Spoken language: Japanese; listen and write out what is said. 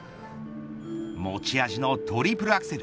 持ち味のトリプルアクセル